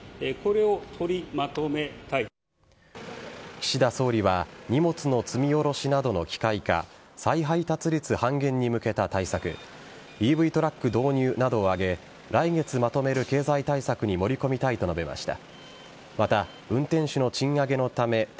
岸田総理は荷物の積み降ろしなどの機械化再配達率半減に向けた対策ＥＶトラック導入などを挙げ来月まとめる経済対策に盛り込みたいと述べました。